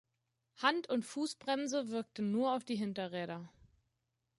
Hand- und Fußbremse wirkten nur auf die Hinterräder.